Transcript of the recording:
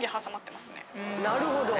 なるほど。